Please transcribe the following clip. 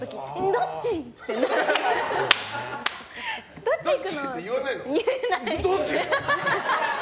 どっち行くの？